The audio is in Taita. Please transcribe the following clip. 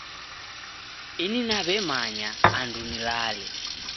Ini naw'emanya andu nilale